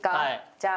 じゃあ。